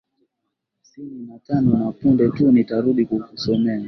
sini na tano na punde tu nitarudi kukusomea